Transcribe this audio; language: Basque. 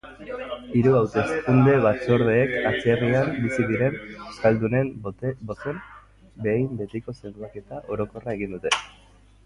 Hiru hauteskunde-batzordeek atzerrian bizi diren euskaldunen bozen behin betiko zenbaketa orokorra egin dute.